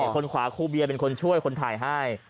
คนขวาครูเบียเป็นคนช่วยคนถ่ายให้